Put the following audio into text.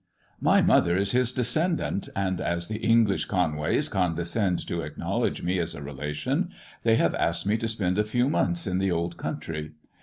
My mother is his descendant, and as the English Conways condescend to acknowledge me as a relation, they have asked me to spend a few months in the old country.